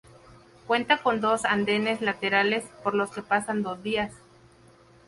Cuenta con dos andenes laterales, por los que pasan dos vías.